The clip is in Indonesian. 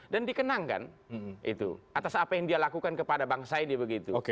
dan dikenangkan atas apa yang dia lakukan kepada bangsa ini begitu